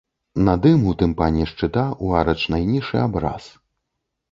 Над ім у тымпане шчыта ў арачнай нішы абраз.